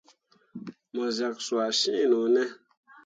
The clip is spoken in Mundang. Mo zak cuah sin no ne ?